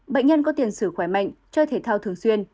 bệnh nhân có tiền sử khỏe mạnh chơi thể thao thường xuyên